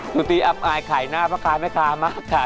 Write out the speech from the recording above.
หนูตีอับอายขายหน้าพ่อค้าแม่ค้ามากค่ะ